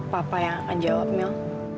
papa yang jawab mil